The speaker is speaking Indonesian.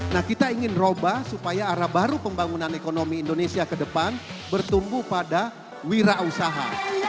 nah kita ingin roba supaya arah baru pembangunan ekonomi indonesia ke depan bertumbuh pada wira usaha